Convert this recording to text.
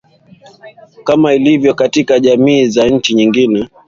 kama ilivyo katika jamii za nchi nyingine